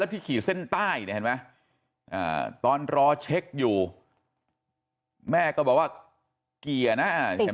ขี่เส้นใต้เนี่ยเห็นไหมตอนรอเช็คอยู่แม่ก็บอกว่าเกียร์นะ